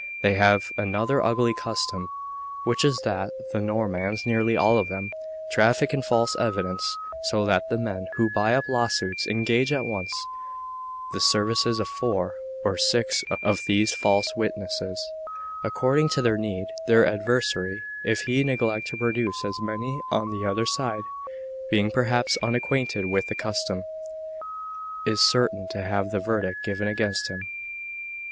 They have another ugly custom, which is that the Normans, nearly all of them, traffic in false evidence; so that the men who buy up lawsuits, engage at once the services of four or six of these false witnesses, according to their need; their adversary, if he neglect to produce as many on the other side, being perhaps unacquainted with the custom, is certain to have the verdict given against him.